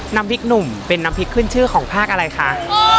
น้ำพริกหนุ่มเป็นน้ำพริกขึ้นชื่อของภาคอะไรคะ